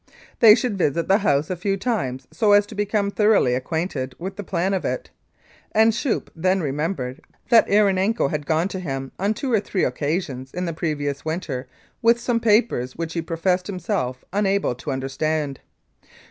They should visit the house a few times so as to become thoroughly acquainted with the plan of it, and Schoeppe then remembered that Erenenko had gone to him on two or three occa sions in the previous winter with some papers which he professed himself unable to understand.